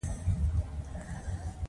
او په سیمه کې رول لوبوي.